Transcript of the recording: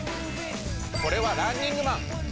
これはランニングマン。